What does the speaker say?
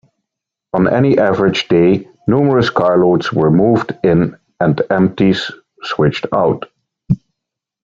On any average day numerous carloads were moved in and empties switched out.